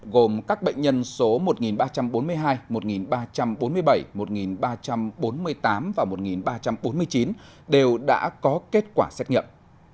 gồm các bệnh nhân số một ba trăm bốn mươi hai một ba trăm bốn mươi bảy một ba trăm bốn mươi tám và một ba trăm bốn mươi chín đều đã có kết quả xét nghiệm